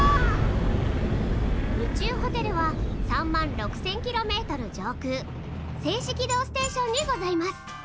宇宙ホテルは３万６，０００ｋｍ上空静止軌道ステーションにございます。